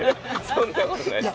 そんなことないです。